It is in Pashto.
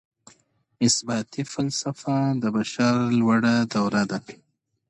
اثباتي فلسفه د بشر لوړه دوره ده.